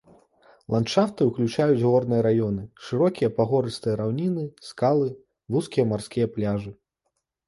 Ландшафты ўключаюць горныя раёны, шырокія пагорыстыя раўніны, скалы, вузкія марскія пляжы.